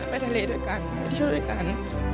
ไปทะเลด้วยกันไปเที่ยวด้วยกัน